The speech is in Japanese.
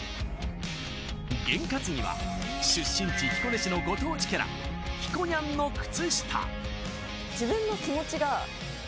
ゲン担ぎは出身地・彦根市のご当地キャラ・ひこにゃんの靴下。